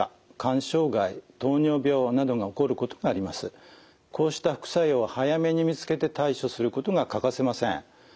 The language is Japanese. こうした副作用は早めに見つけて対処することが欠かせません。